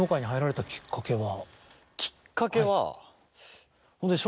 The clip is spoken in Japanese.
きっかけは。